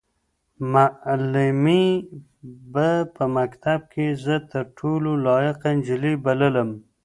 معلمې به په مکتب کې زه تر ټولو لایقه نجلۍ بللم.